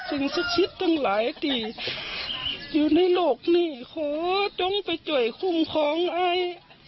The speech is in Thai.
ซึ่งสักชิดตั้งหลายที่อยู่ในโลกนี่ขอต้องไปจ่วยคุมของไอ้